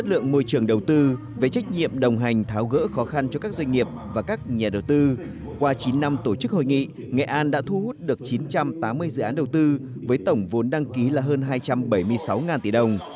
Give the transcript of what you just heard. trong chín năm tổ chức hội nghị nghệ an đã thu hút được chín trăm tám mươi dự án đầu tư với tổng vốn đăng ký là hơn hai trăm bảy mươi sáu tỷ đồng